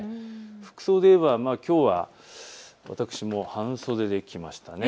服装ではきょうは私も半袖で来ました。